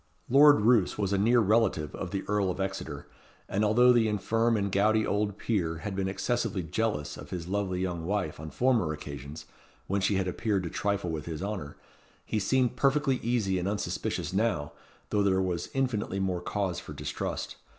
Lord Roos was a near relative of the Earl of Exeter; and although the infirm and gouty old peer had been excessively jealous of his lovely young wife on former occasions, when she had appeared to trifle with his honour, he seemed perfectly easy and unsuspicious now, though there was infinitely more cause for distrust.